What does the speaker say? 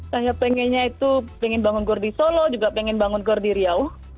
saya pengennya itu pengen bangun gor di solo juga pengen bangun gor di riau